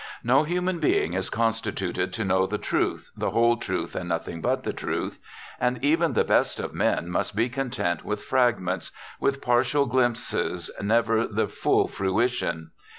No human being is constituted to know the truth, the whole truth, and nothing but the truth; and even the best of men must be content with fragments, with partial glimpses, never the full fruition.